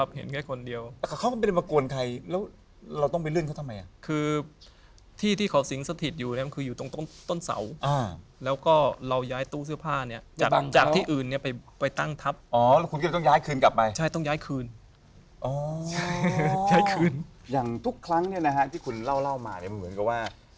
ไปดูวัตถีที่เราเคยอยู่ชาติที่แล้ว